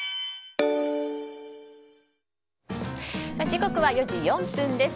時刻は４時４分です。